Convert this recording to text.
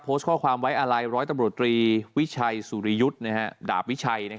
โพสต์ข้อความไว้อาลัยร้อยตำรวจตรีวิชัยสุริยุทธ์ดาบวิชัย